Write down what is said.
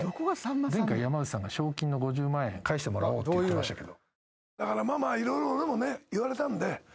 前回山内さんが賞金の５０万円返してもらおうって言ってましたけど。